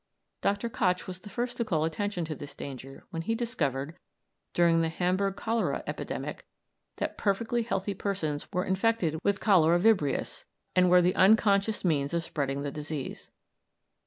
Dr. Koch was the first to call attention to this danger when he discovered, during the Hamburg cholera epidemic, that perfectly healthy persons were infected with cholera vibrios, and were the unconscious means of spreading the disease.